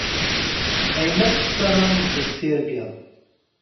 Ayen akk tessarameḍ deg tirga.